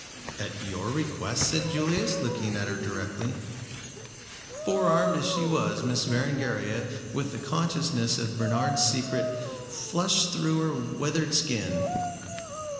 "At your request?" said Julius, looking at her directly. Forearmed as she was, Miss Berengaria, with the consciousness of Bernard's secret, flushed through her withered skin.